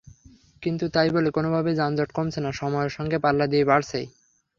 কিন্তু তাই বলে কোনোভাবেই যানজট কমছে না, সময়ের সঙ্গে পাল্লা দিয়ে বাড়ছেই।